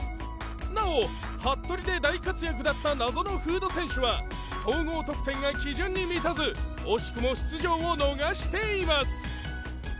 なおＨＡＴＴＯＲＩで大活躍だった謎のフード選手は総合得点が基準に満たず惜しくも出場を逃しています。